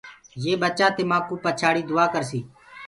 يي ٻچآ تمآنٚ ڪوُ پڇآڙيٚ دُئآ ڪرسيٚ